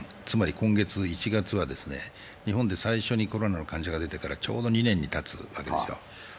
つまり今月、１月は日本で最初にコロナの患者が出てからちょうど２年たつわけですよ。